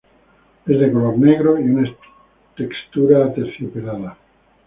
Es de color negro y una textura aterciopelada.